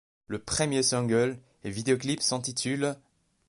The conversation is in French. Le premier single, et vidéoclip, s'intitule '.